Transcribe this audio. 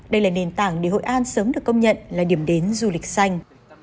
đây là nền tảng để hội an sớm được công nhận là điểm đến du lịch xanh